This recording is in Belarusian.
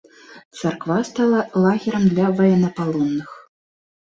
Царква стала лагерам для ваеннапалонных.